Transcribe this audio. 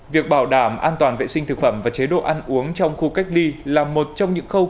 việc bảo đảm an toàn vệ sinh thực phẩm và chế độ ăn uống trong khu cách ly là một trong những khâu